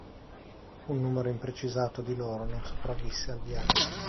Un numero imprecisato di loro non sopravvisse al viaggio.